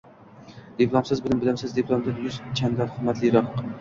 Diplomsiz bilim -bilimsiz diplomdan yuz chandon qiymatliroq.